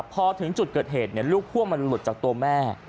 พอถึงจุดเกิดเหตุลูกพ่วงมันหลุดจากตัวแม่